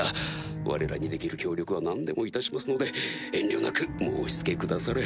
われらにできる協力は何でもいたしますので遠慮なく申し付けくだされ。